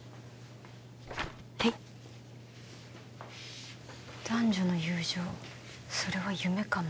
はい「男女の友情、それは夢か幻」